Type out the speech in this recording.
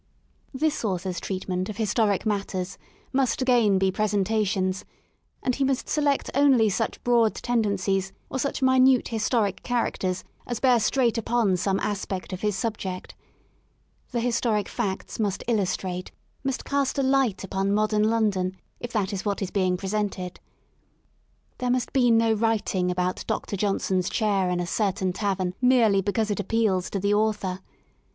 This author's treatment of historic matters must xii INTRODUCTORY again be '* presentations"; and he must select only such broad tendencies, or such minute historic char acters as bear straight upon some aspect of his subject. The historic facts must illustrate, must cast a light upon modern London , if that is what is being pre sented There must be no writing about Dn Johnson's chair in a certain tavern merely because it appeals to the author.